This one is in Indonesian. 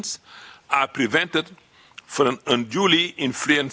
dihidupkan dari penggunaan proses pilihan